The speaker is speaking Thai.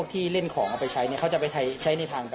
ที่เล่นของเอาไปใช้เขาจะไปใช้ในทางไป